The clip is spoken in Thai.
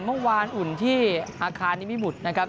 เมื่อวานอุ่นที่อาคารนิมิบุตรนะครับ